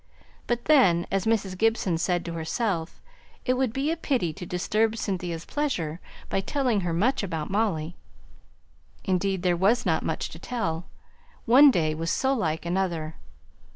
But then, as Mrs. Gibson said to herself, it would be a pity to disturb Cynthia's pleasure by telling her much about Molly; indeed, there was not much to tell, one day was so like another.